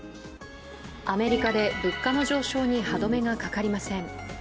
アメリカで物価の上昇に歯止めがかかりません。